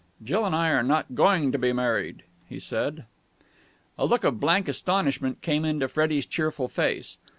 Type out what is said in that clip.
"Jill and I are not going to be married," he said. A look of blank astonishment came into Freddie's cheerful face.